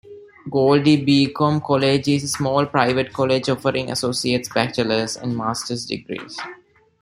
Goldey-Beacom College is a small private college offering associates, bachelors, and master's degrees.